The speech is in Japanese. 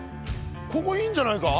ここいいんじゃないか？